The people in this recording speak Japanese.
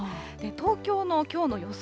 東京のきょうの予想